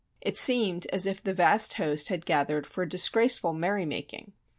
It seemed as if the vast host had gathered for a disgraceful merrymaking.